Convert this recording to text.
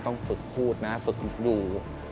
ต้องฝึกพูดนะฝึกดู